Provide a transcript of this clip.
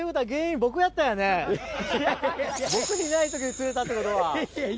僕いない時に釣れたってことは。